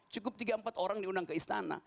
cukup tiga empat orang diundang ke istana